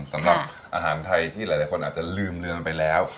สำหรับอาหารไทยที่หลายคนอาจจะลืมเรือนไปแล้ว